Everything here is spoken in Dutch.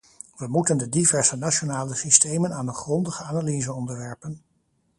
We moeten de diverse nationale systemen aan een grondige analyse onderwerpen.